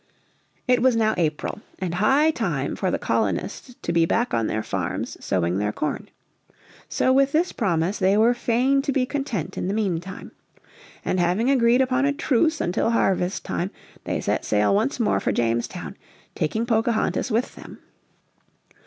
It was now April, and high time for the colonists to be back on their farms sowing their corn. So with this promise they were fain to be content in the meantime. And having agreed upon a truce until harvest time they set sail once more for Jamestown, taking Pocahontas with them.